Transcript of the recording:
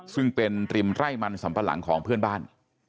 ซึ่งเป็นริมไร่มันสัมปะหลังของเพื่อนบ้าน